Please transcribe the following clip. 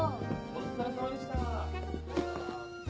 お疲れさまでした。